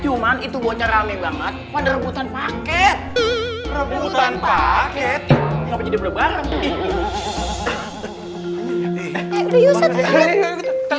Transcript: cuman itu baca rame banget pada rebutan paket rebutan paket